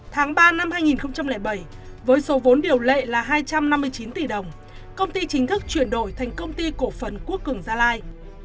tháng ba năm hai nghìn bảy với số vốn điều lệ là hai trăm năm mươi chín tỷ đồng công ty chính thức chuyển đổi thành công ty cổ phần quốc cường gia lai